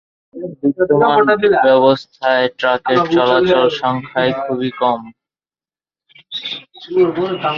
বিদ্যমান ব্যবস্থায় ট্রাকের চলাচল সংখ্যায় খুবই কম।